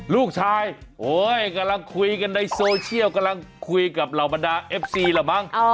ลูกชายกำลังคุยกันในโซเชียลกำลังคุยกับเหล่าบรรดาเอฟซีเหรอมั้ง